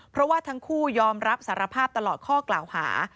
เพราะว่าทั้งคู่ยอมรับสารภาพตลอดข้อกล่าวหา